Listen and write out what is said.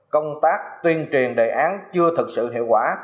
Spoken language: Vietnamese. công tác tuyên truyền đề án chưa thực sự hiệu quả